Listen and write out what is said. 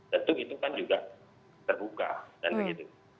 tentu itu kan juga terbuka dan begitu